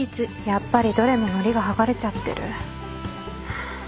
やっぱりどれものりがはがれちゃってる。